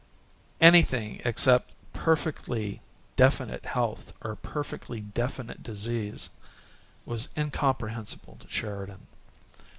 Anything except perfectly definite health or perfectly definite disease was incomprehensible to Sheridan.